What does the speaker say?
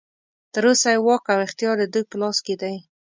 تر اوسه یې واک او اختیار ددوی په لاس کې دی.